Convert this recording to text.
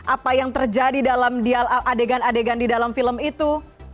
apa yang terjadi dalam adegan adegan di dalam film itu